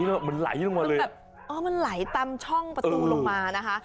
ในช่องอ๋อมันไหลตามช่องประตูนะคะ